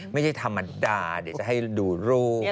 ไม่ใช่ธรรมดาจะให้ดูรูป